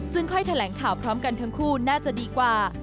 ซึ่งค่อยแถลงข่าวพร้อมกันทั้งคู่น่าจะดีกว่า